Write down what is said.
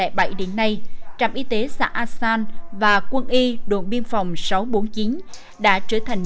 được sát nhập từ năm hai nghìn bảy đến nay trạm y tế xã a sang và quân y đội biên phòng sáu trăm bốn mươi chín đã trở thành